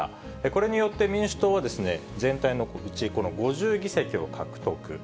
これによって民主党は、全体のうち、この５０議席を獲得。